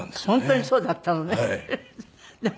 本当にそうだったのね。